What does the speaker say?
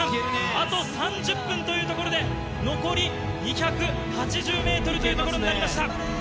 あと３０分というところで、残り２８０メートルという所になりました。